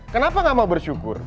kenapa gak mau bersyukur